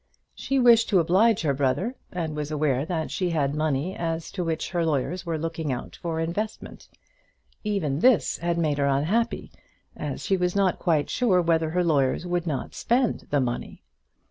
She wished to oblige her brother, and was aware that she had money as to which her lawyers were looking out for an investment. Even this had made her unhappy, as she was not quite sure whether her lawyers would not spend the money.